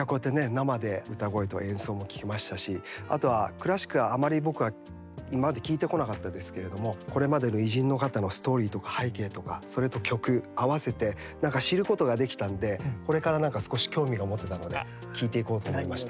生で歌声と演奏も聴けましたしあとはクラシックあまり僕は今まで聴いてこなかったですけれどもこれまでの偉人の方のストーリーとか背景とかそれと曲あわせて知ることができたんでこれからなんか少し興味が持てたので聴いていこうと思いました。